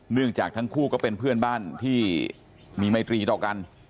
จากทั้งคู่ก็เป็นเพื่อนบ้านที่มีไมตรีต่อกัน